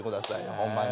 ホンマに。